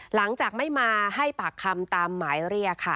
หลังจากไม่มาให้ปากคำตามหมายเรียกค่ะ